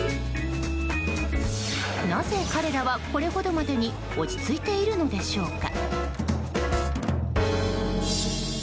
なぜ彼らは、これほどまでに落ち着いているのでしょうか。